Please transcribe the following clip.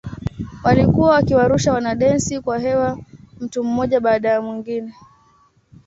Walikuwa wakiwarusha wanadensi kwa hewa mtu mmoja baada ya mwingine.